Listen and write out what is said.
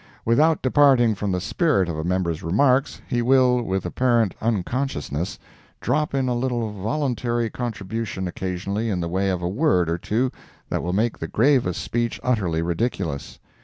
Without departing from the spirit of a member's remarks, he will, with apparent unconsciousness, drop in a little voluntary contribution occasionally in the way of a word or two that will make the gravest speech utterly ridiculous.